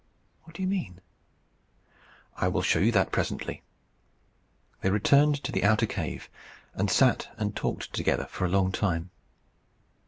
"What do you mean?" "I will show you that presently." They returned to the outer cave, and sat and talked together for a long time.